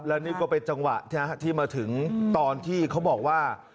แล้วนี่ก็เป็นจังหวะที่มาถึงตอนที่เขาบอกว่า